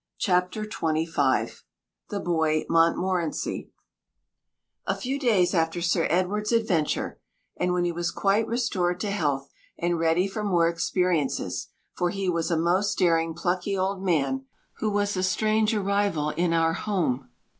CHAPTER XXV THE BOY MONTMORENCY A few days after Sir Edward's adventure, and when he was quite restored to health, and ready for more experiences (for he was a most daring, plucky old man) there was a strange arrival in our home.